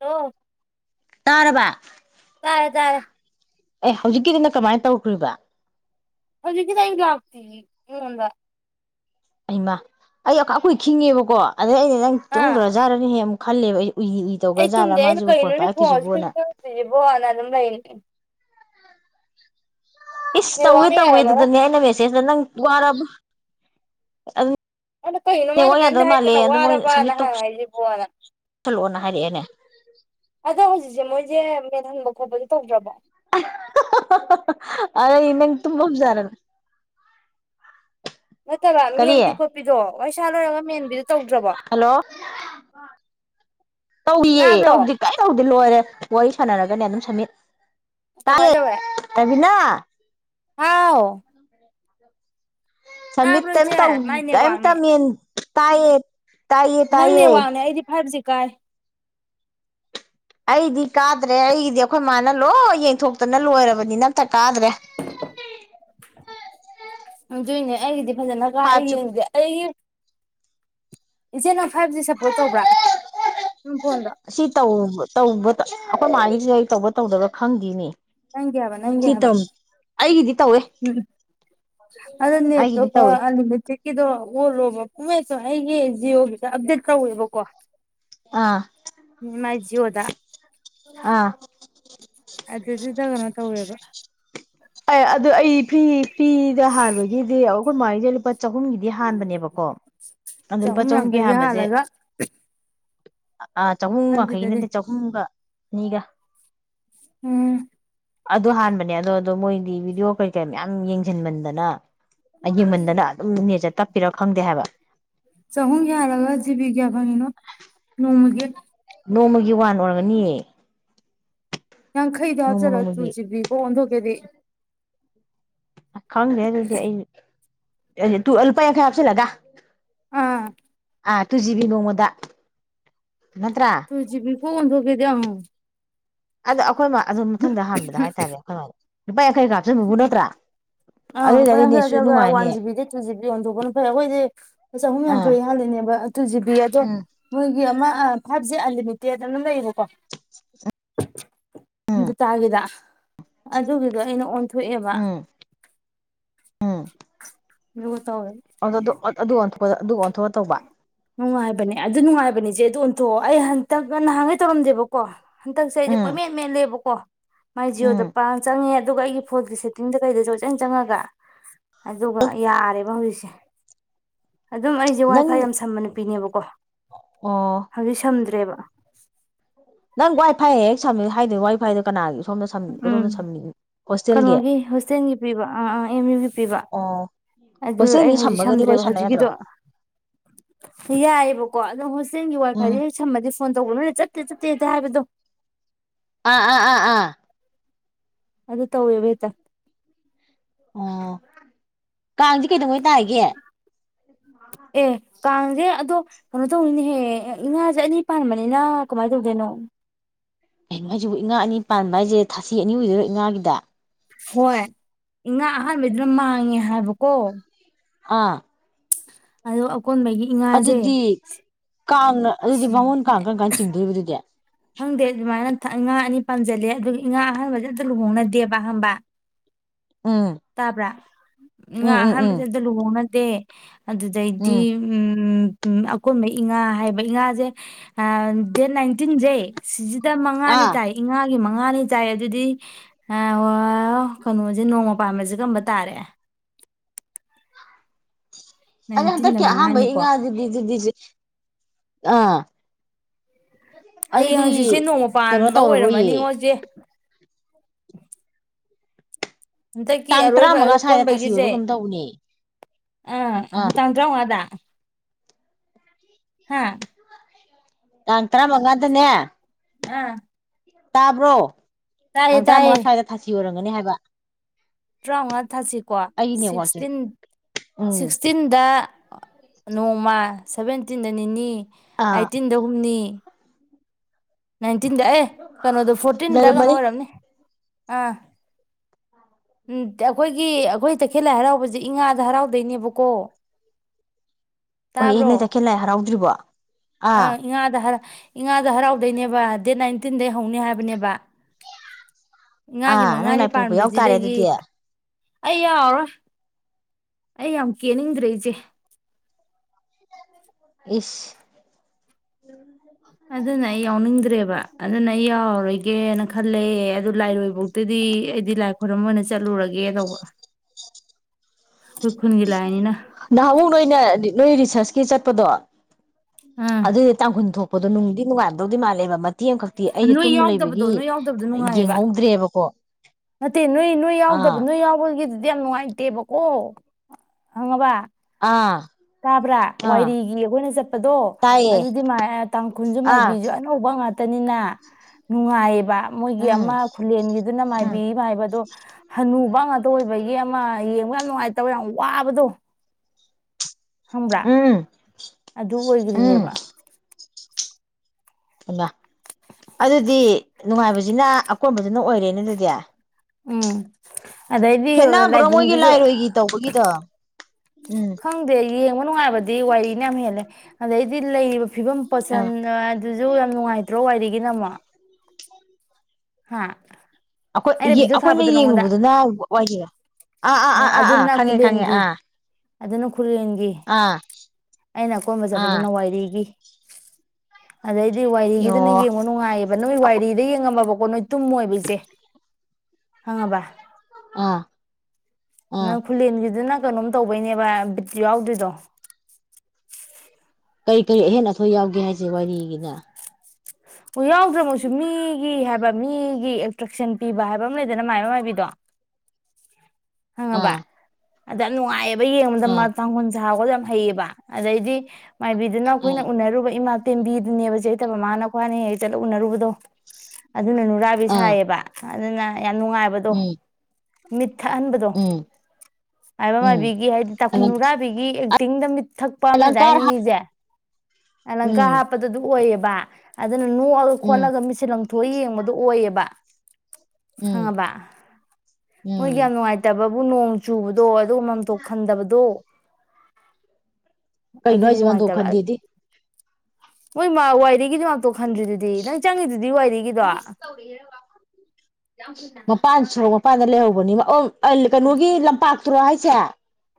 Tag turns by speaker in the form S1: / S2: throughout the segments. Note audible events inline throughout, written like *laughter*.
S1: hello
S2: ꯇꯥꯔꯕ
S1: ꯇꯥꯔꯦ ꯇꯥꯔꯦ
S2: ꯑꯦ ꯍꯧꯖꯤꯛꯀꯤꯗꯨꯅ ꯀꯃꯥꯏꯅ ꯇꯧꯒ꯭ꯔꯤꯕ
S1: ꯍꯧꯖꯤꯛꯀꯤꯗꯣ ꯑꯩ ꯂꯥꯛꯇꯤꯌꯦ ꯑꯩꯉꯣꯟꯗ
S2: ꯑꯩꯃ ꯑꯩ ꯑꯥꯀ ꯀꯨꯏ ꯈꯤꯡꯉꯦꯕꯀꯣ ꯑꯗꯩ ꯑꯩꯅ ꯅꯪ
S1: ꯑꯥ
S2: ꯇꯨꯝꯒ꯭ꯔꯖꯥꯔꯅꯦꯍꯦ ꯑꯃꯨꯛ ꯈꯜꯂꯦꯕ ꯎꯏ ꯎꯏ
S1: ꯑꯩ
S2: ꯇꯧꯈ꯭ꯔꯖꯥꯠꯂꯥ
S1: ꯇꯨꯝꯗꯦ ꯑꯩꯅ
S2: ꯃꯥꯁꯤꯕꯨ ꯐꯣꯟ
S1: ꯀꯩꯅꯣꯅꯦ ꯐꯣꯟꯁꯤꯕꯨ
S2: ꯄꯥꯏꯔꯛꯇ꯭ꯔꯤꯁꯤꯕꯣꯅ
S1: ꯑꯩꯕꯣ ꯀꯩꯅꯣꯝ ꯇꯧꯔꯤꯁꯤꯕꯣꯅ ꯑꯗꯨꯝ ꯂꯩꯔꯤꯅꯦ
S2: ꯏꯁ ꯇꯧꯏ
S1: ꯅꯦꯠꯋꯥꯛꯅ
S2: ꯇꯧꯏ
S1: ꯌꯥꯔꯝꯃꯔꯣꯏ
S2: ꯑꯗꯨꯗꯅꯤ ꯑꯩꯅ ꯃꯦꯁ ꯆꯦꯆꯟ ꯅꯪ ꯋꯥꯔꯕꯣ ꯑ
S1: ꯑꯩꯅ ꯀꯩꯅꯣ ꯃꯥꯅ ꯀꯔꯤꯝꯇ ꯍꯥꯏꯗꯅ
S2: ꯃꯣꯏꯅ
S1: ꯋꯥꯔꯕꯅ
S2: ꯁꯝꯃꯤꯠ ꯇꯧ
S1: ꯍꯪꯉꯛꯏꯁꯤꯕꯣꯅ
S2: ꯁꯜꯂꯛꯑꯣꯅ ꯍꯥꯏꯔꯛꯑꯦꯅꯦ
S1: ꯑꯗꯣ ꯍꯧꯖꯤꯛꯁꯦ ꯃꯣꯏꯁꯦ ꯃꯦꯟꯍꯟꯕ ꯈꯣꯠꯄꯗꯣ ꯇꯧꯗ꯭ꯔꯕꯣ
S2: ꯍꯥ ꯍꯥ ꯍꯥ ꯑꯗ ꯏꯅꯪ ꯇꯨꯝꯃ ꯖꯠꯔꯅ
S1: ꯅꯠꯇꯦꯕ
S2: ꯀꯔꯤ
S1: ꯃꯦꯟꯕꯤ ꯈꯣꯠꯄꯤꯗꯣ ꯋꯥ ꯂꯣꯏꯔꯒ ꯃꯦꯟ
S2: ꯍꯜꯂꯣ ꯇꯧꯌꯦ
S1: ꯇꯥꯕ꯭ꯔꯣ
S2: ꯇꯧꯗꯦ ꯀꯥꯏꯝ ꯇꯧꯗꯦ ꯂꯣꯏꯔꯦ ꯋꯥꯔꯤ ꯐꯅꯔꯒꯅꯦ ꯑꯗꯨꯝ ꯁꯝꯃꯤꯠ
S1: ꯀꯃꯥꯏ ꯇꯧꯋꯦ
S2: ꯕꯤꯅꯥ
S1: ꯍꯥꯎ
S2: ꯁꯝꯃꯤꯠ
S1: ꯇꯥꯕ꯭ꯔꯣ
S2: ꯀꯥꯏꯝ
S1: ꯏꯆꯦ
S2: ꯇꯧ
S1: ꯃꯥꯏ
S2: ꯀꯥꯏꯝꯇ ꯃꯦꯟ ꯇꯥꯏꯌꯦ ꯇꯥꯏꯌꯦ ꯇꯥꯏꯌꯦ
S1: ꯅꯪꯅꯦꯠꯋꯥꯛꯅꯦ ꯑꯩꯗꯤ ꯐꯥꯏꯕꯁ ꯖꯤ ꯀꯥꯏ
S2: ꯑꯩꯗꯤ ꯀꯥꯗ꯭ꯔꯦ ꯑꯩꯒꯤꯗꯤ ꯑꯩꯈꯣꯏ ꯃꯥꯅ ꯂꯣꯏ ꯌꯦꯡꯊꯣꯛꯇꯅ ꯂꯣꯏꯔꯕꯅꯤꯅ ꯑꯝꯇ ꯀꯥꯗ꯭ꯔꯦ
S1: ꯑꯗꯨꯢꯅꯦ ꯑꯩꯒꯤꯗꯤ ꯐꯖꯅꯒ ꯑꯩ
S2: ꯐꯥꯏꯚꯁꯨ
S1: ꯌꯦꯡꯗꯦ ꯑꯩ ꯏꯆꯦ ꯅ ꯐꯥꯏꯚꯖꯤ ꯁꯞꯄꯣꯔꯠ ꯇꯧꯕ꯭ꯔꯥ ꯅꯪ ꯐꯣꯟꯗꯣ
S2: ꯁꯤ ꯇꯧꯕ ꯇꯧꯕ ꯑꯩꯈꯣꯏ ꯃꯥꯒꯤꯗꯤ ꯑꯩ ꯇꯧꯕ ꯇꯧꯗꯕ ꯈꯪꯗꯦꯅꯦ
S1: ꯅꯪꯒꯤ ꯍꯥꯏꯕ ꯅꯪꯒꯤ
S2: ꯁꯤ
S1: ꯍꯥꯢꯕ
S2: ꯇꯝ ꯑꯩꯒꯤꯗꯤ ꯇꯧꯋꯦ
S1: ꯎꯝ ꯑꯗꯨ ꯅꯦꯠꯇꯣ
S2: ꯑꯩꯒꯤꯗꯤ ꯇꯧꯋꯦ
S1: ꯈꯑꯥ ꯑꯟꯂꯤꯃꯤꯇꯤ ꯀꯤꯗꯣ ꯑꯣꯜꯂꯣꯕ ꯄꯨꯝꯃꯦꯠꯇꯣ ꯑꯩꯒꯤ ꯖꯤꯑꯣꯒꯤꯗꯣ ꯑꯞꯗꯦꯠ ꯀꯧꯑꯦꯕ ꯀꯣ
S2: ꯑꯥ ꯑꯥ
S1: ꯁꯤꯗ ꯀꯦꯅꯣ ꯇꯧꯔꯦꯕ
S2: ꯑꯦ ꯑꯗꯨ ꯑꯩ ꯐ꯭ꯔꯤ ꯐ꯭ꯔꯤꯗ ꯍꯥꯟꯕꯒꯤꯗꯤ ꯑꯩꯈꯣꯢ ꯃꯥꯏꯁꯦ ꯆꯍꯨꯝꯒꯤꯗꯤ ꯍꯥꯟꯕꯅꯦꯕꯀꯣ ꯑꯗꯨ ꯂꯨꯄꯥ
S1: ꯆꯍꯨꯝ
S2: ꯆꯍꯨꯝꯒꯤ
S1: ꯌꯥꯡꯈꯩꯒꯤ
S2: ꯍꯥꯟꯕꯁꯦ
S1: ꯍꯥꯜꯂꯒ
S2: ꯑꯥ ꯆꯍꯨꯝ ꯋꯥꯡꯈꯩ
S1: ꯍꯥꯏꯕꯗꯨꯗꯗꯤ
S2: ꯅꯗꯤ ꯆꯍꯨꯝꯒ ꯅꯤꯒ
S1: ꯎꯝ
S2: ꯑꯗꯨ ꯍꯥꯟꯕꯅꯦ ꯑꯅꯣꯠ ꯑꯗꯣ ꯃꯣꯏꯗꯤ ꯚꯤꯗꯤꯑꯣ ꯀꯩ ꯀꯩ ꯃꯌꯥꯝ ꯌꯦꯡꯁꯤꯟꯃꯟꯗꯅ ꯑꯩꯒꯤꯃꯟꯗꯅ ꯑꯗꯨꯝ ꯅꯦꯠꯁꯦ ꯇꯞꯄꯤꯔ ꯈꯪꯗꯦ ꯍꯥꯏꯕ
S1: ꯆꯍꯨꯝ ꯌꯥꯔꯒ ꯖꯤꯕꯤ ꯀꯌꯥ ꯐꯪ ꯢꯅꯣ ꯅꯣꯡꯃꯒꯤ
S2: ꯅꯣꯡꯃꯒꯤ ꯋꯥꯟ ꯑꯣꯏꯔꯝꯒꯅꯤꯌꯦ
S1: ꯌꯥꯡꯈꯩꯗꯤ ꯍꯥꯞꯆꯔ ꯇꯨ ꯖꯤꯕꯤ ꯀꯣꯛ ꯑꯣꯟꯊꯣꯛ ꯀꯦꯗꯤ
S2: ꯈꯪꯗ꯭ꯔꯦ ꯑꯗꯨꯗꯤ ꯑꯩ ꯂꯨꯄꯥ ꯌꯥꯡꯈꯩ ꯍꯥꯞꯆꯤꯜꯂꯒ
S1: ꯑꯥ
S2: ꯑꯥ ꯇꯨ ꯖꯤꯕꯤ ꯅꯣꯡꯃꯗ ꯅꯠꯇ꯭ꯔꯥ
S1: ꯇꯨ ꯖꯤꯕꯤ ꯀꯣꯛ ꯑꯣꯟꯊꯣꯛꯀꯦꯗꯤ ꯑꯃꯨꯛ
S2: ꯑꯗꯣ ꯑꯩꯈꯣꯏ ꯃꯥ ꯑꯗꯨ ꯃꯊꯪꯗ ꯍꯥꯟꯕꯗ ꯍꯥꯏꯇꯥꯔꯦ ꯑꯩꯈꯣꯏ ꯃꯥꯗ ꯂꯨꯄꯥ ꯌꯥꯡꯈꯩꯒ ꯍꯥꯞꯆꯤꯟꯕꯕꯨ
S1: ꯎꯝ
S2: ꯅꯠꯇ꯭ꯔꯥ
S1: ꯑꯥ ꯂꯨꯄꯥ
S2: ꯑꯗꯨꯏꯗꯤ
S1: ꯌꯥꯡꯈꯩ
S2: ꯅꯦꯠꯁꯨ
S1: ꯍꯥꯞꯆꯜꯂꯒ ꯋꯥꯟ
S2: ꯅꯨꯡꯉꯥꯏꯅꯤ
S1: ꯖꯤꯕꯤꯗꯤ ꯇꯨ ꯖꯤꯕꯤ ꯑꯣꯟꯊꯣꯛꯄꯅ ꯐꯩ ꯑꯩꯈꯣꯏꯗꯤꯦ ꯆꯍꯨꯝ
S2: ꯑꯥ
S1: ꯌꯥꯡꯈꯩ ꯍꯥꯜꯂꯤꯅꯦꯕ ꯇꯨ ꯖꯤꯕꯤ ꯑꯗꯣ
S2: ꯎꯝ
S1: ꯃꯣꯏꯒꯤ ꯑꯃ ꯑꯥ ꯐꯥꯢꯕꯖꯦ ꯑꯟꯂꯤꯃꯤꯇꯦꯠ ꯑꯗꯨꯝ ꯂꯩꯕ ꯀꯣ ꯑꯝꯇ ꯇꯥꯒꯦꯗ ꯑꯗꯨꯒꯤꯗꯣ ꯑꯩꯅ ꯑꯣꯟ ꯊꯣꯛ ꯑꯦꯕ
S2: ꯎꯝ ꯎꯝ
S1: ꯇꯧꯋꯦ
S2: ꯑꯗꯨꯗꯣ ꯑꯗꯨ ꯑꯣꯟꯊꯣꯛꯑꯦ ꯑꯗꯨꯒ ꯑꯣꯟꯊꯣꯛ
S1: ꯅꯨꯡꯥꯏꯕꯅꯦ ꯑꯗꯨ ꯅꯨꯡꯉꯥꯏ ꯍꯥꯏꯕꯅꯤꯁꯦ ꯑꯗꯨ ꯑꯣꯟꯊꯣꯛꯑꯣ ꯑꯩ ꯍꯟꯇꯛ ꯅꯍꯥꯟꯈꯩ ꯇꯧꯔꯝꯗꯦꯕꯀꯣ ꯍꯟꯗꯛꯁꯦ ꯑꯩꯁꯦ
S2: ꯎꯝ
S1: ꯀꯣꯏꯃꯦꯠ ꯃꯦꯠꯂꯦꯕꯀꯣ *inaudible* ꯃꯥꯏ ꯖꯤꯑꯣꯗꯣ
S2: ꯎꯝ
S1: ꯄꯥꯛ ꯆꯪꯉꯦ ꯌꯥꯗꯦ ꯑꯗꯨꯒ ꯑꯩꯒꯤ ꯐꯣꯜꯒꯤ ꯁꯦꯠꯇꯤꯡꯗ ꯀꯩꯗꯁꯨ ꯄꯪꯆꯪ ꯆꯪꯉꯒ ꯑꯗꯨꯒ ꯌꯥꯔꯦꯕ ꯍꯧꯖꯤꯛꯁꯦ ꯑꯗꯣ
S2: ꯅꯪ
S1: ꯋꯥꯏꯐꯥꯏ ꯌꯥꯝ ꯁꯝꯕ ꯅꯨꯄꯤꯅꯦꯕꯣ
S2: ꯑꯣ
S1: *inaudible* ꯍꯧꯖꯤꯛ ꯁꯝꯗ꯭ꯔꯦꯕ *inaudible*
S2: ꯅꯪ ꯋꯥꯏ ꯐꯥꯏ ꯍꯦꯛ ꯁꯝꯃꯦ ꯍꯥꯏꯗꯣ ꯋꯥꯏꯐꯥꯏꯗꯣ ꯀꯅꯥꯒꯤ ꯁꯣꯝꯗ
S1: ꯎꯝ
S2: ꯀꯗꯣꯝꯗ ꯁꯝꯃꯤ ꯍꯣꯁꯇꯦꯜꯒꯤ
S1: ꯀꯩꯅꯣꯒꯤ ꯍꯣꯁꯇꯦꯜꯒꯤ ꯄꯤꯕ ꯑ ꯑ ꯑꯦꯝ ꯌꯨꯒꯤ ꯄꯤꯕ
S2: ꯑꯣ
S1: ꯑꯗꯨ ꯑꯩ
S2: ꯍꯣꯁꯇꯦꯜꯒꯤ
S1: ꯍꯧꯖꯤꯛ
S2: ꯁꯝꯃꯒꯗꯤ ꯋꯥꯔꯤ
S1: ꯁꯝꯗ꯭ꯔꯦꯕ
S2: ꯁꯥꯟꯅ ꯌꯥꯗ꯭ꯔꯣ
S1: ꯍꯧꯖꯤꯛꯀꯤꯗꯣ ꯌꯥꯏꯑꯕꯀꯣ ꯑꯣ ꯍꯣꯁꯇꯦꯜꯒꯤ
S2: ꯎꯝ
S1: ꯋꯥꯏꯐꯥꯏꯗꯤ ꯍꯦꯛ ꯁꯝꯃꯗꯤ ꯐꯣꯟ ꯇꯧꯕꯗꯣ ꯆꯠꯇꯦ ꯆꯠꯇꯦ ꯍꯦꯛꯇ ꯍꯥꯏꯕꯗꯣ
S2: ꯑꯥ ꯑꯥ ꯑꯥ ꯑꯥ
S1: ꯑꯗꯨ ꯇꯧꯋꯦꯕ ꯍꯦꯛꯇ
S2: ꯑꯣ ꯀꯥꯡꯖꯦ ꯀꯩꯗꯧꯉꯩ ꯇꯥꯏꯒꯦ
S1: ꯑꯦ ꯀꯥꯡꯁꯦ ꯑꯗꯣ ꯀꯩꯅꯣ ꯇꯧꯅꯤꯅꯦꯍꯦ ꯏꯉꯥꯁꯦ ꯑꯅꯤ ꯄꯥꯟꯕꯅꯤꯅ ꯀꯃꯥꯏꯅ ꯇꯧꯗꯣꯏꯅꯣ
S2: ꯀꯩꯅꯣ ꯍꯥꯏꯁꯤꯕꯨ ꯏꯉꯥ ꯑꯅꯤ ꯄꯥꯟꯕ ꯍꯥꯏꯁꯦ ꯊꯥꯁꯤ ꯑꯅꯤ ꯑꯣꯏꯗꯣꯏꯔꯣ ꯏꯉꯥꯒꯤꯗ
S1: ꯍꯣꯏ ꯏꯉꯥ ꯑꯍꯥꯟꯕꯩꯗꯅ ꯃꯥꯡꯉꯦ ꯍꯥꯏꯕꯀꯣ
S2: ꯑꯥ
S1: ꯑꯗꯨ ꯑꯀꯣꯟꯕꯒꯤ ꯏꯉꯥꯁꯦ
S2: ꯑꯗꯨꯗꯤ ꯀꯥꯡꯅ ꯑꯗꯨꯗꯤ ꯕꯃꯣꯟ ꯀꯥꯡ ꯀꯔꯝꯀꯥꯟꯗ ꯆꯤꯡꯗꯣꯔꯤꯕꯗꯨꯗꯤ
S1: ꯈꯪꯗꯦ ꯑꯗꯨꯃꯥꯏꯅ ꯏꯉꯥ ꯑꯅꯤ ꯄꯥꯝꯁꯤꯜꯂꯦ ꯑꯗꯨꯒ ꯑꯗꯨ ꯏꯉꯥ ꯑꯍꯥꯟꯕꯁꯦ ꯑꯝꯇ ꯂꯨꯍꯣꯡꯅꯗꯦꯕ ꯈꯪꯉꯕ
S2: ꯎꯝ
S1: ꯇꯥꯕ꯭ꯔꯥ ꯏꯉꯥ
S2: ꯎꯝ ꯎꯝ ꯎꯝ
S1: ꯑꯍꯥꯟꯕꯁꯤ ꯑꯝꯇ ꯂꯨꯍꯣꯡꯅꯗꯦ *unintelligible* ꯑꯗꯨꯗꯩꯗꯤ
S2: ꯎꯝ
S1: ꯎꯝ ꯎꯝ ꯑꯀꯣꯟꯕꯒꯤ ꯏꯉꯥ ꯍꯥꯏꯕ ꯏꯉꯥꯁꯦ ꯑꯥ ꯗꯦꯠ ꯅꯥꯏꯟꯇꯤꯟꯖꯦ ꯁꯤ *inaudible* ꯃꯉꯥꯅꯤ
S2: ꯑꯥ
S1: ꯇꯥꯏ ꯏꯉꯥ ꯒꯤ ꯃꯉꯥꯅꯤ ꯇꯥꯏ ꯑꯗꯨꯗꯤ *unintelligible* ꯅꯣꯡꯃ ꯄꯥꯟꯕꯁꯦ ꯀꯔꯝꯕ ꯇꯥꯔꯦ
S2: ꯑꯗꯨꯗ
S1: ꯅꯥꯏꯟꯇꯤꯟꯗ
S2: ꯍꯟꯇꯛꯀꯤ ꯑꯍꯥꯟꯕꯩ
S1: ꯃꯉꯥꯅꯤꯀꯣ
S2: ꯏꯪꯉꯥꯖꯤꯗꯤ ꯑꯗꯨꯗꯤ ꯖꯤ ꯑꯥ
S1: ꯍꯌꯦꯡ
S2: ꯑꯗꯨꯗꯤ
S1: ꯍꯪꯆꯤꯠꯁꯦ ꯅꯣꯡꯃ
S2: ꯀꯩꯅꯣ
S1: ꯄꯥꯟꯕ
S2: ꯇꯧꯔꯔꯣꯏꯌꯦ
S1: ꯑꯣꯏꯔꯝꯃꯅꯤꯉꯣ ꯏꯆꯦ ꯍꯟꯗꯛꯀꯤ
S2: ꯇꯥꯡ
S1: ꯑꯔꯣꯏꯕ
S2: ꯇꯔꯥꯃꯉꯥ ꯁ꯭ꯋꯥꯏꯗ ꯊꯥꯁꯤ ꯑꯣꯏꯕ
S1: ꯀꯣꯟꯕꯒꯤꯁꯦ
S2: ꯀꯩꯅꯣꯝ ꯇꯧꯕꯅꯦ
S1: ꯑꯥ ꯇꯥꯡ ꯇꯔꯥꯑꯣꯉꯥꯗ ꯍꯥꯥ
S2: ꯇꯥꯡ ꯇꯔꯥ ꯃꯉꯥꯗꯅꯦ
S1: ꯑꯥ
S2: ꯇꯥꯕ꯭ꯔꯣ
S1: ꯇꯥꯏꯌꯦ
S2: ꯇꯥꯡ ꯇ꯭ꯔꯥꯃꯉꯥ ꯁꯥꯏꯗ ꯊꯥꯁꯤ ꯑꯣꯏꯔꯝ ꯕꯅꯤ ꯍꯥꯏꯕ
S1: ꯇ꯭ꯔꯥꯎꯉꯥ ꯊꯥꯁꯤꯀꯣ
S2: ꯑꯩꯒꯤ ꯅꯦꯠꯋꯥꯛꯁꯦ
S1: ꯁꯤꯁꯇꯤꯟ
S2: ꯎꯝ
S1: ꯁꯤꯁꯇꯤꯟꯗ ꯅꯣꯡꯃ ꯁꯚꯦꯟꯇꯤꯟꯗ ꯅꯤꯅꯤ
S2: ꯑꯥ
S1: ꯑꯩꯇꯤꯟꯗ ꯍꯨꯝꯅꯤ *unintelligible* ꯐꯤꯇꯤꯟꯗ ꯑꯦ ꯀꯩꯅꯣꯗꯣ ꯐꯣꯔꯇꯤꯟꯗ ꯀꯩꯅꯣ
S2: ꯂꯩꯔꯝꯃꯅꯤ
S1: ꯑꯣꯏꯔꯝꯅꯤ ꯑꯥ ꯎꯝ ꯑꯩꯈꯣꯏꯒꯤ ꯑꯩꯈꯣꯏ ꯇꯈꯦꯜ ꯂꯥꯏ ꯍꯔꯥꯎꯕꯁꯦ ꯏꯉꯥꯗ ꯍꯔꯥꯎꯗꯣꯏꯅꯦꯕꯀꯣ
S2: ꯍꯣꯏꯍꯦ ꯅꯣꯏ ꯇꯈꯦꯜ ꯂꯥꯏ ꯍꯔꯥꯎꯗ꯭ꯔꯤꯕꯣ
S1: ꯑꯥ ꯏꯉꯥꯗ ꯍꯔꯥꯎ ꯏꯉꯥꯗ ꯍꯔꯥꯎꯗꯣꯏꯅꯦꯕ ꯗꯦꯠ ꯅꯥꯏꯟꯇꯤꯟꯗꯩ ꯍꯧꯅꯤ ꯍꯥꯏꯕꯅꯦꯕ ꯏꯉꯥꯒꯤ
S2: ꯑꯥ ꯅꯪ
S1: ꯃꯉꯥꯅꯤ
S2: ꯂꯥꯏ ꯄꯨꯕ ꯌꯥꯎꯇꯥꯥꯔꯦ
S1: ꯄꯥꯟꯕꯁꯤꯗꯒꯤ
S2: ꯑꯗꯨꯗꯤ
S1: ꯑꯩ ꯌꯥꯔꯣꯏ ꯑꯩ ꯌꯥꯝ ꯀꯦꯟꯅꯤꯡꯗ꯭ꯔꯦ ꯏꯁꯦ
S2: ꯏꯁ
S1: ꯑꯗꯨꯅ ꯑꯩ ꯌꯥꯎꯅꯤꯡꯗ꯭ꯔꯦꯕ ꯑꯗꯨꯅ ꯑꯩ ꯌꯥꯎꯔꯔꯣꯏꯒꯦꯅ ꯈꯜꯂꯦ ꯑꯗꯨ ꯂꯥꯏꯔꯣꯏꯕꯧꯇꯗꯤ ꯑꯩꯗꯤ ꯂꯥꯏ ꯈꯨꯔꯨꯝ ꯑꯣꯏꯅ ꯆꯠꯂꯨꯔꯒꯦ ꯇꯧꯕ ꯑꯩꯈꯣꯏ ꯈꯨꯟꯒꯤ ꯂꯥꯏꯅꯤꯅ
S2: ꯉꯥꯍꯟꯃꯨꯛ ꯅꯣꯏꯅ ꯅꯣꯏ ꯔꯤꯁꯔꯁꯀꯤ ꯆꯠꯄꯗꯣ
S1: ꯑꯥ
S2: ꯑꯗꯨ ꯇꯥꯡꯈꯨꯜ ꯊꯣꯛ ꯄꯗꯣ ꯅꯨꯡꯗꯤ ꯅꯨꯡꯉꯥꯏꯗꯧꯗꯤ ꯃꯥꯜꯂꯦꯕ ꯃꯇꯦꯛ ꯑꯃꯈꯛꯇꯤ ꯑꯩꯗꯤ
S1: ꯅꯣꯏ
S2: ꯇꯨꯝꯃ
S1: ꯌꯥꯎꯗꯕꯗꯣ
S2: ꯂꯩꯕꯒꯤ
S1: ꯅꯣꯏ ꯌꯥꯎꯗꯕꯗꯣ ꯅꯨꯡꯉꯥꯏꯌꯦꯕ
S2: ꯌꯦꯡꯍꯧꯗ꯭ꯔꯦꯕꯀꯣ
S1: ꯅꯠꯇꯦ ꯅꯣꯏ ꯅꯣꯏ ꯌꯥꯎꯗꯕ
S2: ꯑꯥ
S1: ꯅꯣꯏ ꯌꯥꯎꯕꯒꯤꯗꯨꯗꯤ ꯌꯥꯝ ꯅꯨꯡꯉꯥꯏ ꯇꯦꯕ ꯀꯣ ꯈꯪꯉꯕꯥ
S2: ꯑꯥ
S1: ꯇꯥꯕ꯭ꯔꯥ
S2: ꯑꯥ
S1: ꯋꯥꯏꯔꯤꯒꯤ ꯑꯩꯈꯣꯏꯅ ꯆꯠꯄꯗꯣ
S2: ꯇꯥꯏꯌꯦ
S1: ꯑꯗꯨꯗꯤ ꯃꯥꯏ ꯇꯥꯡꯈꯨꯜꯁꯨ
S2: ꯑꯥ
S1: ꯃꯥꯏꯕꯤꯁꯨ ꯑꯅꯧꯕ ꯉꯥꯛ ꯇꯅꯤꯅ ꯅꯨꯡꯉꯥꯏꯌꯦꯕ ꯃꯣꯏꯒꯤ ꯑꯃ
S2: ꯎꯝ
S1: ꯈꯨꯂꯦꯟꯒꯤꯗꯨꯅ ꯃꯥꯏꯕꯤ
S2: ꯎꯝ
S1: ꯃꯥꯏꯕꯗꯣ ꯍꯅꯨꯕ ꯉꯥꯛꯇ ꯑꯣꯏꯕꯒꯤ ꯑꯃ ꯌꯦꯡꯕ ꯌꯥꯝ ꯅꯨꯡꯉꯥꯏꯇꯕ ꯌꯥꯝ ꯋꯥꯕꯗꯣ ꯈꯪꯕ꯭ꯔꯥ
S2: ꯎꯝ
S1: ꯑꯗꯨ
S2: ꯎꯝ
S1: ꯑꯣꯏꯒ꯭ꯔꯤꯅꯦꯕ
S2: ꯍꯩꯃꯥ ꯑꯗꯨꯗꯤ ꯅꯨꯡꯉꯥꯏꯕꯖꯤꯅ ꯑꯀꯣꯟꯕꯗꯨꯅ ꯑꯣꯏꯔꯦꯅꯦ ꯑꯗꯨꯗꯤ
S1: ꯎꯝ ꯑꯗꯩꯗꯤ
S2: ꯈꯦꯠꯅꯕ꯭ꯔꯣ ꯃꯣꯏꯒꯤ
S1: ꯂꯥꯏꯕꯨꯡꯗꯨꯁꯨ
S2: ꯂꯥꯏꯔꯣꯏꯒꯤ ꯇꯧꯕꯒꯤꯗꯣ ꯎꯝ
S1: ꯈꯪꯗꯦ ꯌꯦꯡꯕ ꯅꯨꯡꯉꯥꯏꯕꯗꯤ ꯋꯥꯏꯔꯤꯅ ꯌꯥꯝ ꯍꯦꯜꯂꯦ ꯑꯗꯩꯗꯤ ꯂꯩꯔꯤꯕ ꯐꯤꯕꯝ ꯄꯠꯆꯟ
S2: ꯑꯥ
S1: ꯑꯗꯨꯖꯨ ꯌꯥꯝ ꯅꯨꯡꯉꯥꯏꯇ꯭ꯔꯣ ꯋꯥꯏꯔꯤꯒꯤꯅ ꯑꯃꯨꯛ ꯍꯥ
S2: ꯑꯈꯣꯏ
S1: ꯑꯩꯅ
S2: ꯌꯦ
S1: ꯚꯤꯗꯤꯑꯣ
S2: ꯑꯈꯣꯏꯅ
S1: ꯊꯥꯕꯗꯣ ꯅꯪꯉꯣꯟꯗ
S2: ꯌꯦꯡꯉꯨꯕꯗꯨꯅ ꯋꯥꯏꯔꯤꯔꯣ ꯑꯥ ꯑꯥ
S1: ꯑꯣ
S2: ꯑꯥ ꯑꯥ
S1: ꯑꯗꯨꯅ
S2: ꯈꯪꯉꯦ ꯈꯪꯉꯦ
S1: ꯈꯨꯂꯦꯟꯒꯤ
S2: ꯑꯥ
S1: ꯑꯗꯨꯅ ꯈꯨꯂꯦꯟꯒꯤ
S2: ꯑꯥ
S1: ꯑꯩꯅ ꯑꯀꯣꯟꯕ
S2: ꯑꯥ
S1: ꯆꯠꯄꯗꯨꯅ ꯋꯥꯏꯔꯤꯒꯤ ꯑꯗꯩꯗꯤ ꯋꯥꯏꯔꯤꯒꯤꯗꯨꯅ
S2: ꯑꯣ
S1: ꯌꯦꯡꯕ ꯅꯨꯡꯉꯥꯏꯌꯦꯕ ꯅꯣꯏ ꯋꯥꯏꯔꯤꯗ ꯌꯦꯡꯉꯃꯕ ꯀꯣ ꯅꯣꯏ ꯇꯨꯝꯃꯣꯏꯕ ꯏꯆꯦ ꯈꯪꯉꯕꯥ
S2: ꯑꯥ
S1: ꯅ
S2: ꯑꯥ
S1: ꯈꯨꯂꯦꯟꯒꯤꯗꯨꯅ ꯀꯅꯣꯝ ꯇꯧꯕꯩꯅꯦꯕ ꯕꯤꯠ ꯌꯥꯎꯗ꯭ꯔꯤꯗꯣ
S2: ꯀꯔꯤ ꯀꯔꯤ ꯑꯍꯦꯟ ꯑꯊꯣꯏ ꯌꯥꯎꯒꯦ ꯍꯥꯏꯁꯦ ꯋꯥꯏꯔꯤꯒꯤꯅ
S1: *inaudible* ꯌꯥꯎꯗ꯭ꯔꯃꯛꯁꯨ ꯃꯤꯒꯤ ꯍꯥꯏꯕ ꯃꯤꯒꯤ ꯑꯦꯇ꯭ꯔꯦꯛꯁꯟ ꯄꯤꯕ ꯍꯥꯏꯕ ꯑꯃ ꯂꯩꯗꯅ ꯃꯥꯏꯕ ꯃꯥꯏꯕꯤꯗꯣ ꯈꯪꯉꯕꯥ
S2: ꯑꯥ
S1: ꯑꯗ ꯅꯨꯡꯉꯥꯏꯌꯦ ꯕ ꯌꯦꯡꯕꯗ ꯃꯥ
S2: ꯑꯥ
S1: ꯇꯥꯡꯒꯨꯟ ꯁꯥꯕꯒꯥꯗꯣ ꯍꯩꯌꯦꯕ ꯑꯗꯩꯗꯤ ꯃꯥꯏꯕꯤꯗꯨꯅ
S2: ꯑꯥ
S1: ꯑꯩꯈꯣꯏꯅ ꯎꯅꯔꯨꯕ ꯏꯃꯥ ꯇꯦꯝꯕꯤꯗꯨꯅꯦꯕ ꯆꯦ ꯁꯩꯇꯕꯃꯥꯅ ꯈ꯭ꯋꯥꯏꯅꯤ ꯍꯦ ꯍꯦꯛ ꯆꯠꯂ ꯎꯅꯔꯨꯕꯗꯣ ꯑꯗꯨꯅ ꯅꯨꯔꯥꯕꯤ
S2: ꯑꯥ
S1: ꯁꯥꯏꯌꯦꯕ ꯑꯗꯨꯅ ꯌꯥꯝ ꯅꯨꯡꯉꯥꯏꯕꯗꯣ
S2: ꯎꯝ
S1: ꯃꯤꯠ ꯊꯛꯍꯟꯕꯗꯣ
S2: ꯎꯝ
S1: ꯃꯥꯏꯕ
S2: ꯎꯝ
S1: ꯃꯥꯏꯕꯤꯒꯤ ꯍꯥꯏꯗꯤ ꯇꯥꯡꯈꯨꯟ ꯅꯨꯔꯥꯕꯤꯒꯤ ꯑꯦꯛꯇꯤꯡꯗ ꯃꯤꯠ ꯊꯛꯄ ꯑꯝ ꯂꯩꯗꯥꯏꯅꯦ
S2: ꯑꯂꯪꯀꯥꯔ
S1: ꯃꯤꯖꯦ ꯑꯂꯪꯀꯥ
S2: ꯎꯝ
S1: ꯍꯥꯞꯄꯗꯨ ꯗꯨ ꯑꯣꯏꯌꯦꯕ ꯄ ꯑ ꯑꯗꯨꯅ ꯅꯣꯛꯑꯒ
S2: ꯎꯝ
S1: ꯈꯣꯠꯂꯒ ꯃꯤꯠꯁꯦ ꯂꯪꯊꯣꯛꯑ ꯌꯦꯡꯕꯗꯣ ꯑꯣꯏꯌꯦꯕ
S2: ꯎꯝ
S1: ꯈꯪꯉꯕ ꯃꯣꯏꯒꯤ
S2: ꯎꯝ
S1: ꯌꯥꯝ ꯅꯨꯡꯉꯥꯏꯇꯕ ꯕꯨ ꯅꯣꯡ ꯆꯨꯕꯗꯣ ꯑꯗꯨ ꯃꯝꯇꯣꯛ ꯈꯟꯗꯕꯗꯣ
S2: ꯀꯩꯅꯣ ꯍꯥꯢꯖꯤꯕꯣ ꯃꯥꯟꯇꯣꯞ ꯈꯟꯗꯦꯗꯤ
S1: ꯃꯣꯢ ꯃ ꯋꯥꯢꯗꯒꯤꯗꯤ ꯃꯥꯝꯇꯣꯞ ꯈꯟꯗ꯭ꯔꯤꯗꯨꯗꯤ ꯅꯪ ꯆꯪꯉꯤꯗꯨꯗꯤ ꯋꯥꯏꯗꯒꯤꯗꯣ
S2: ꯃꯄꯥꯟ ꯁꯣꯔꯣꯛ ꯃꯄꯥꯟꯗ ꯂꯩꯍꯧꯕꯅꯤꯉꯣ ꯑꯧ ꯑꯩ ꯀꯩꯅꯣꯒꯤ ꯂꯝꯄꯥꯛ ꯇꯨꯔꯥ ꯍꯥꯏꯁꯦ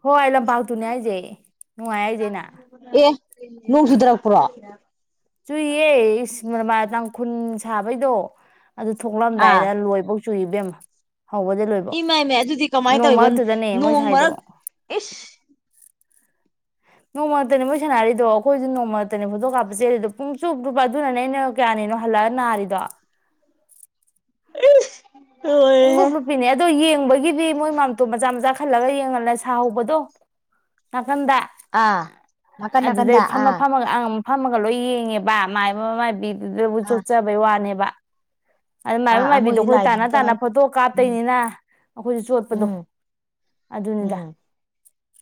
S1: ꯍꯣꯏ ꯂꯝꯄꯥꯛꯇꯨꯅꯦ ꯍꯥꯏꯁꯦ ꯅꯨꯡꯉꯥꯏ ꯍꯥꯏꯁꯦꯅ
S2: ꯑꯦ ꯅꯣꯡ ꯆꯨꯗꯔꯛꯄ꯭ꯔꯣ
S1: ꯃꯤꯅꯣꯃꯥꯅ ꯇꯥꯡꯈꯨꯟ ꯁꯥꯕꯩꯗꯣ ꯑꯗꯨ ꯊꯣꯛꯂꯛ
S2: ꯑꯥ
S1: ꯑꯝꯗꯥꯏꯗ ꯂꯣꯏꯕꯧ ꯆꯨꯏꯕꯦꯝꯃ
S2: ꯏꯃꯥꯏ ꯃꯥꯏ ꯑꯗꯨꯗꯤ ꯀꯃꯥꯏꯟ ꯇꯧꯋꯤꯕ
S1: ꯃꯔꯛꯇꯨꯗꯅꯦ ꯃꯣꯏ
S2: ꯅꯣꯡ
S1: ꯁꯥꯏꯗꯣ
S2: ꯃꯔꯛ ꯑꯤꯁ
S1: ꯅꯣꯡꯃꯔꯛꯇꯅꯦ ꯃꯣꯏ ꯁꯥꯟꯅꯔꯤꯗꯣ ꯑꯩꯈꯣꯏꯁꯨ ꯅꯣꯡꯃꯔꯛꯇꯅꯦ ꯐꯣꯇꯣ ꯀꯥꯞꯄ ꯆꯦꯜꯂꯤꯗꯣ ꯄꯨꯡ ꯆꯨꯞ ꯆꯨꯞꯄ ꯑꯗꯨꯅꯅꯦ ꯑꯩꯅ ꯀꯌꯥꯅꯤꯅꯣ ꯍꯜꯂꯛꯑ ꯅꯥꯔꯤꯗꯣ
S2: ꯏꯁ
S1: ꯄꯨꯡꯂꯨꯞ ꯂꯨꯞꯄꯤꯅꯦ ꯑꯗꯣ ꯌꯦꯡꯕꯒꯤ ꯗꯤ ꯃꯣꯏ ꯃꯥꯝꯇꯣꯞ ꯃꯆꯥ ꯃꯆꯥ ꯈꯜꯂꯒ ꯌꯦꯡꯍꯜꯂꯦ ꯁꯥꯍꯧꯕꯗꯣ ꯅꯝꯗ
S2: ꯑꯥ ꯅꯥꯀꯟ
S1: ꯑꯗꯨꯗꯩ
S2: ꯅꯥꯀꯟꯗ
S1: ꯐꯝꯃ
S2: ꯑꯥ
S1: ꯐꯝꯃꯒ ꯑꯝ ꯐꯝꯃꯒ ꯂꯣꯏ ꯌꯦꯡꯉꯦꯕ ꯃꯥꯏꯕ ꯃꯥꯏꯕꯤ ꯑꯗꯨꯗꯕꯨ
S2: ꯑꯥ
S1: ꯆꯣꯠꯆꯕꯩ ꯋꯥꯅꯦꯕ ꯑꯗꯨ ꯃꯥꯏꯕ
S2: ꯑꯥ
S1: ꯃꯥꯏꯕꯤꯗꯣ
S2: ꯃꯣꯏꯗꯤ
S1: ꯑꯩꯈꯣꯏ ꯇꯥꯅ
S2: ꯂꯥꯏꯗꯨꯗꯤ
S1: ꯇꯥꯅ
S2: ꯀꯃꯥꯏ
S1: ꯐꯣꯇꯣ
S2: ꯎꯝ
S1: ꯀꯥꯞꯇꯣꯏꯅꯤꯅ ꯑꯩꯈꯣꯏꯁꯨ ꯆꯣꯠꯄꯗꯣ
S2: ꯎꯝ
S1: ꯑꯗꯨꯅꯤꯗ
S2: ꯎꯝ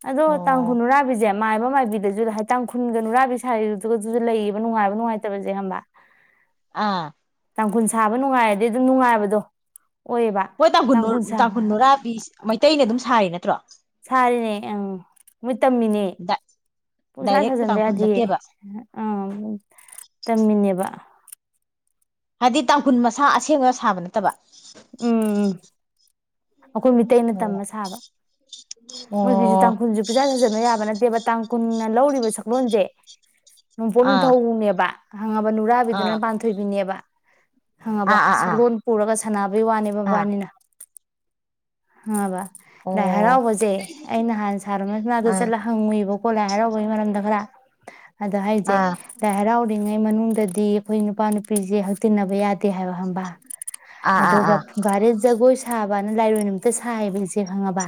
S1: ꯑꯗꯣ ꯇꯥꯡꯈꯨꯜ
S2: ꯑꯣ
S1: ꯅꯨꯔꯥꯕꯤꯁꯦ ꯃꯥꯏꯕ ꯃꯥꯏꯕꯤꯗꯁꯨ ꯍꯥꯏꯇꯪ ꯈꯨꯟꯒ ꯅꯨꯨꯔꯥꯕꯤ ꯁꯥꯥꯔꯤꯗꯨꯒꯗꯨꯁꯨ ꯂꯩꯌꯦꯕ ꯅꯨꯡꯉꯥꯏꯕ ꯅꯨꯡꯉꯥꯏꯇꯕꯁꯦ ꯈꯪꯕ
S2: ꯑꯥ
S1: ꯇꯥꯡꯈꯨꯜ ꯁꯥꯕ ꯅꯨꯡꯉꯥꯏꯔꯗꯤ ꯑꯗꯨꯝ ꯅꯨꯡꯉꯥꯏꯕꯗꯣ ꯑꯣꯏꯌꯦꯕ
S2: ꯃꯣꯏ ꯇꯥꯡꯈꯨꯟ ꯇꯥꯡꯈꯨꯜ
S1: ꯁꯥꯕ
S2: ꯅꯨꯔꯥꯕꯤ ꯃꯩꯇꯩꯅ ꯑꯗꯨꯝ ꯁꯥꯥꯔꯤ ꯅꯠꯇ꯭ꯔꯣ
S1: ꯁꯥꯔꯤꯅꯦ ꯑꯝ ꯃꯣꯏ ꯇꯝꯃꯤꯅꯦ ꯄꯨꯡꯁꯥ
S2: ꯗꯥꯏꯔꯦꯛ
S1: ꯁꯥꯖꯟꯕ
S2: ꯇꯥꯡꯈꯨꯜ
S1: ꯌꯥꯗꯤꯌꯦ
S2: ꯅꯠꯇꯦꯕ
S1: ꯑꯝ ꯇꯝꯃꯤꯅꯦꯕ ꯑꯥ
S2: ꯍꯥꯏꯗꯤ ꯇꯥꯡꯈꯨꯟ ꯃꯁꯥ ꯑꯁꯦꯡꯕꯅ ꯁꯥꯕ ꯅꯠꯇꯕ
S1: ꯎꯝ ꯑꯩꯈꯣꯏ ꯃꯤꯇꯩꯅ
S2: ꯑꯣ
S1: ꯇꯝꯃ ꯁꯥꯕ ꯃꯣꯏꯒꯤꯁꯨ
S2: ꯑꯣ
S1: ꯇꯥꯡꯈꯨꯜꯁꯨ ꯄꯨꯁꯥ ꯁꯥꯖꯟꯕ ꯌꯥꯕ ꯅꯠꯇꯦꯕ ꯇꯥꯡ ꯀꯨꯟꯅ ꯂꯧꯔꯤꯕ ꯁꯛꯂꯣꯟꯁꯦ ꯅꯣꯡꯄꯣꯛ
S2: ꯑꯥ
S1: ꯅꯤꯡꯊꯧꯅꯦꯕ ꯈꯪꯉꯕ ꯅꯨꯔꯥꯕꯤꯗꯨꯅ
S2: ꯑꯥ
S1: ꯄꯥꯟꯊꯣꯏꯕꯤꯅꯦꯕ ꯍꯪꯉꯕ
S2: ꯑꯥ ꯑꯥ
S1: ꯁꯛꯂꯣꯟ ꯄꯨꯔꯒ *inaudible* ꯋꯥꯅꯦꯕ
S2: ꯑꯥ
S1: ꯃꯕꯥꯟꯅꯤꯅ ꯈꯪꯉꯕꯥ ꯂꯥꯏ
S2: ꯑꯣ
S1: ꯍꯔꯥꯎꯕꯖꯦ ꯑꯩ ꯅꯍꯥꯟ ꯁꯥꯔ ꯔꯣꯃꯦꯁ ꯃꯅꯥꯛꯇ
S2: ꯑꯥ
S1: ꯆꯠꯂ ꯍꯪꯉꯨꯏꯕ ꯀꯣ ꯍꯥꯔꯥꯎꯕꯒꯤ ꯃꯔꯝꯗ ꯈꯔ ꯑꯗꯥ ꯍꯥꯏꯖꯦ
S2: ꯑꯥ
S1: ꯂꯥꯏꯍꯔꯥꯎ ꯉꯩ ꯃꯅꯨꯡꯗꯗꯤ ꯑꯩꯈꯣꯏ ꯅꯨꯄꯥ ꯅꯨꯄꯤꯖꯦ ꯍꯛꯇꯤꯟꯅꯕ ꯌꯥꯗꯦ ꯐꯠꯇꯦ ꯍꯥꯏꯕ ꯈꯪꯕ
S2: ꯑꯥ ꯑꯥ
S1: ꯑꯗꯨꯒ ꯐꯨꯡꯒꯥꯔꯦꯜ ꯖꯒꯣꯏ ꯁꯥꯕꯅ ꯂꯥꯏꯔꯣꯏ ꯅꯨꯃꯤꯇ ꯁꯥꯏꯌꯦꯕ ꯏꯆꯦ ꯈꯪꯉꯕ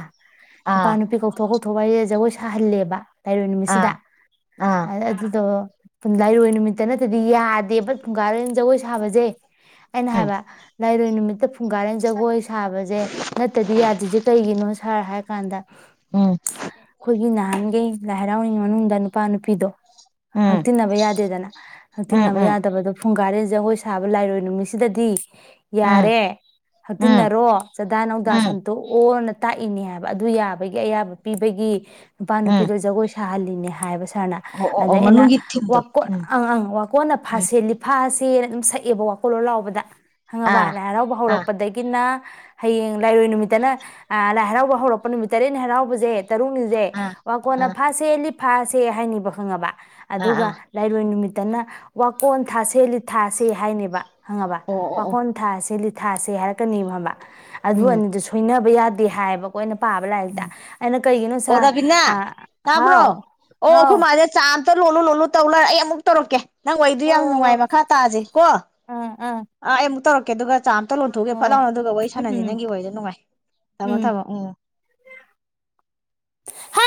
S1: ꯅꯨꯄꯥ
S2: ꯑꯥ
S1: ꯅꯨꯄꯤ ꯀꯧꯊꯣꯛꯑꯒ ꯊꯣꯡꯍꯥꯔꯦꯜ ꯖꯒꯣꯏ ꯁꯥꯍꯜꯂꯦꯕ ꯂꯩꯔꯣꯏ
S2: ꯑꯥ
S1: ꯅꯨꯃꯤꯠꯁꯤꯗ
S2: ꯑꯥ
S1: ꯑꯗꯨꯗꯣ ꯂꯥꯏꯔꯣꯏ ꯅꯨꯃꯤꯠꯇ ꯅꯠꯇꯗꯤ ꯌꯥꯗꯦꯕ ꯐꯨꯡꯒꯥꯔꯦꯜ ꯖꯒꯣꯏ ꯁꯥꯕꯁꯦ ꯑꯩꯅꯥ ꯍꯥꯏꯕ ꯀꯩ ꯅꯨꯃꯤꯠꯇ ꯐꯨ ꯐꯨꯡꯒꯥꯔꯦꯟ ꯖꯒꯣꯏ ꯁꯥꯕꯖꯦ ꯅꯠꯇꯗꯤ ꯌꯥꯗ꯭ꯔꯤꯖꯦ ꯀꯩꯒꯤꯅꯣ ꯁꯥꯔ ꯍꯥꯏ ꯀꯥꯟꯗ
S2: ꯎꯝ
S1: ꯑꯩꯈꯣꯏꯒꯤ ꯅꯍꯥꯟꯒꯩ ꯂꯥꯏ ꯍꯔꯥꯎꯔꯤꯉꯩ ꯃꯅꯨꯡꯗ ꯅꯨꯄꯥ ꯅꯨꯄꯤꯗꯣ
S2: ꯎꯝ
S1: ꯍꯛꯇꯤꯟꯅꯕ ꯌꯥꯗꯦꯗꯅ
S2: ꯎꯝ
S1: ꯍꯛꯇꯤꯟꯅꯕ
S2: ꯎꯝ
S1: ꯌꯥꯗꯕꯗꯣ ꯐꯨꯡꯒꯥꯔꯦꯜ ꯖꯒꯣꯏ ꯁꯥꯕ ꯂꯥꯏꯔꯣꯏ ꯅꯨꯃꯤꯠꯁꯤꯗꯗꯤ
S2: ꯎꯝ
S1: ꯌꯥꯔꯦ
S2: ꯎꯝ ꯎꯝ
S1: ꯍꯛꯇꯤꯟꯅꯔꯣ ꯆꯥꯗꯥ
S2: ꯎꯝ
S1: ꯅꯧꯗꯥ
S2: ꯎꯝ
S1: ꯁꯟꯇꯣꯛꯑꯣ ꯅ ꯇꯥꯛꯏꯅꯦ ꯍꯥꯏꯕ ꯑꯗꯨ ꯌꯥꯕꯒꯤ ꯑꯌꯥꯕ ꯄꯤꯕꯒꯤ ꯅꯨꯄꯥ
S2: ꯎꯝ
S1: ꯅꯨꯄꯤꯗꯨ ꯖꯒꯣꯏ ꯊꯥꯍꯜꯂꯤꯅꯦ ꯍꯥꯏꯕ ꯁꯥꯔ ꯁꯥꯔꯅ
S2: ꯑꯣ ꯑꯣ
S1: ꯑꯗꯩ
S2: ꯑꯣ
S1: ꯑꯩꯅ
S2: ꯃꯅꯨꯡꯒꯤ ꯊꯤꯝꯗꯣ
S1: ꯋꯥꯀꯣꯟ
S2: ꯎꯝ
S1: ꯑꯪ ꯑꯪ ꯋꯥꯀꯣꯟꯅ
S2: ꯎꯝ
S1: ꯐꯥꯁꯤ ꯂꯤꯐꯥꯁꯤ ꯇꯦꯔꯥ ꯑꯗꯨꯝ ꯁꯛꯑꯦꯕ ꯋꯥꯀꯣꯜꯂꯣ ꯂꯥꯎꯕꯗ
S2: ꯑꯥ
S1: ꯈꯪꯉꯕ ꯂꯥꯏ ꯍꯔꯥꯎꯕ
S2: ꯑꯥ
S1: ꯍꯧꯔꯛꯄꯗꯒꯤꯅꯥ ꯍꯌꯦꯡ ꯂꯥꯏꯔꯣꯏ ꯅꯨꯃꯤꯠꯇꯅ ꯑ ꯂꯥꯏ ꯍꯔꯥꯎꯕ ꯍꯧꯔꯛꯄ ꯅꯨꯃꯤꯠ ꯇꯔꯦꯠꯅꯤ ꯍꯔꯥꯎꯕꯖꯦ ꯇꯔꯨꯛꯅꯤꯖꯦ
S2: ꯑꯥ
S1: ꯋꯥꯀꯣꯟꯅ
S2: ꯑꯥ
S1: ꯐꯥꯁꯦ ꯂꯤ ꯐꯥꯁꯦ ꯍꯥꯏꯅꯤꯕ ꯈꯪꯉꯕ
S2: ꯑꯥ ꯑꯥ
S1: ꯑꯗꯨꯒ ꯂꯩꯥꯏꯔꯣꯏ ꯅꯨꯃꯤꯠ ꯇꯅ ꯋꯥꯀꯣꯟ ꯊꯥꯁꯦ ꯂꯤꯠ ꯊꯥꯁꯦ ꯍꯥꯏꯅꯦꯕ ꯈꯪꯉꯕ
S2: ꯑꯣ ꯑꯣ ꯑꯣ
S1: ꯋꯥꯈꯣꯟ ꯊꯥꯁꯦ ꯂꯤꯠ ꯊꯥꯁꯦ ꯍꯥꯏꯔꯛꯀꯅꯤꯕ ꯈꯪꯉꯕꯥ ꯑꯗꯨ
S2: ꯎꯝ
S1: ꯑꯅꯤꯗꯣ ꯁꯣꯏꯅꯕ ꯌꯥ ꯗꯦ ꯍꯥꯏꯌꯦꯕ ꯀꯣ ꯑꯩꯅ ꯄꯥꯕ
S2: ꯎꯝ
S1: ꯂꯥꯏꯔꯤꯛꯇ ꯑꯩꯅ ꯀꯩꯒꯤꯅꯣ ꯁꯥ
S2: ꯑꯣ ꯔꯕꯤꯅꯥ
S1: ꯍꯥꯎ ꯍꯥꯎ
S2: ꯂꯣꯜꯂꯣ ꯂꯣꯜꯂꯣ ꯇꯧ ꯂꯩꯔꯦ ꯑꯩ ꯑꯃꯨꯛ ꯇꯧꯔꯛꯀꯦ ꯅꯪ ꯋꯥꯔꯤꯗꯨ
S1: ꯍꯣꯏ
S2: ꯌꯥꯝ
S1: ꯍꯣꯏ
S2: ꯅꯨꯡꯉꯥꯏ
S1: ꯍꯣꯏ
S2: ꯃꯈꯥ ꯇꯥꯥꯖꯤ ꯀꯣ ꯑ
S1: ꯑꯥ ꯑꯥ
S2: ꯑꯩ ꯑꯃꯨꯛ ꯇꯧꯔꯛ ꯀꯦꯗꯨꯒ ꯆꯥ ꯑꯝꯇ ꯂꯣꯟꯊꯣꯛꯎꯒꯦ ꯐꯠ
S1: ꯍꯣꯏ
S2: ꯂꯥꯎꯅ ꯑꯗꯨꯒ ꯋꯥꯔꯤ ꯁꯥꯟꯅꯖꯤ
S1: ꯎꯝ
S2: ꯅꯪꯒꯤ ꯋꯥꯔꯤꯗꯣ ꯅꯨꯡꯉꯥꯏ ꯊꯝꯃꯣ ꯊꯝꯃꯣ ꯎꯝ
S1: ꯍꯥ